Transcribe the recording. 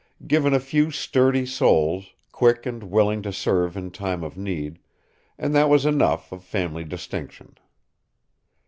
Given a few sturdy souls, quick and willing to serve in time of need, and that was enough of family distinction.